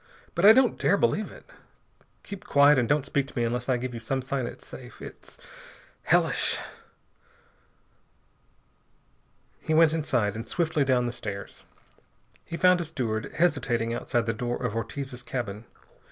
"But I don't dare believe it. Keep quiet and don't speak to me unless I give you some sign it's safe! It's hellish!" He went inside and swiftly down the stairs. He found a steward hesitating outside the door of Ortiz's cabin.